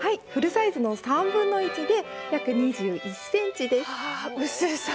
フルサイズの３分の１で約２１ｃｍです。